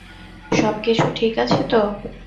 সবকিছু ঠিক আছে তো?